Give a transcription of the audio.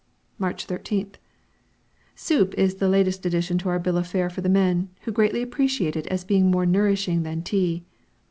March 13th. Soup is the latest addition to our bill of fare for the men, who greatly appreciate it as being more nourishing than tea.